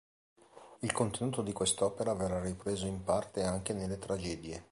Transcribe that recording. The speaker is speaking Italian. Il contenuto di quest'opera verrà ripreso in parte anche nelle "Tragedie".